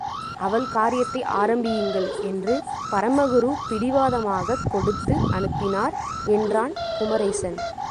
அவள் காரியத்தை ஆரம்பியுங்கள் என்று பரமகுரு பிடிவாதமாகக் கொடுத்து அனுப்பினார், என்றான் குமரேசன்.